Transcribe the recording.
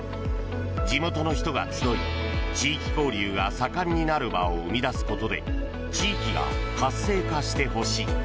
地元の人が集い地域交流が盛んになる場を生み出すことで地域が活性化してほしい。